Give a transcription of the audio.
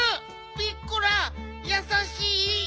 ピッコラやさしい。